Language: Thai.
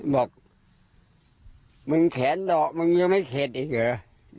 บอกมึงแขนดอกมึงยังไม่เข็ดอีกเหรอ